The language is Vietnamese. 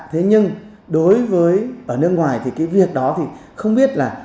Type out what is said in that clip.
thế nhưng đối với ở nước ngoài thì cái việc đó thì không biết là